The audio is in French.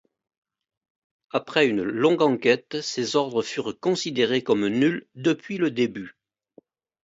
Après une longue enquête ses ordres furent considérés comme nuls depuis le début.